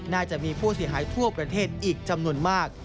น่าจะมีผู้เสียหายทั่วประเทศอีกจำนวนมาก